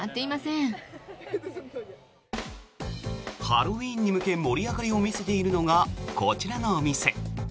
ハロウィーンに向け盛り上がりを見せているのがこちらのお店。